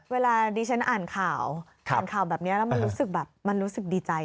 เวลาดิฉันอ่านข่าวอ่านข่าวแบบนี้แล้วมันรู้สึกดีใจ